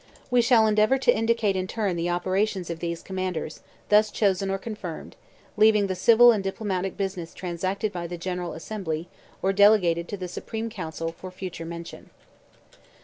We shall endeavour to indicate in turn the operations of these commanders, thus chosen or confirmed; leaving the civil and diplomatic business transacted by the General Assembly, or delegated to the Supreme Council, for future mention.